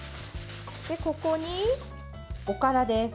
ここに、おからです。